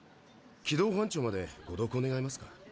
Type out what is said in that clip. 軌道保安庁までご同行願えますか？